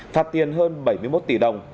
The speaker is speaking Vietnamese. thạt tiền hơn bảy mươi một tỷ đồng